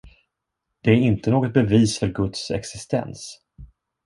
Det är inte något bevis för Guds existens.